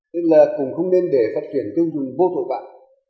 tức là cũng không nên để phát triển tiêu dùng vô phục bạn